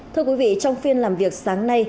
thưa quý vị trong phiên làm việc sáng nay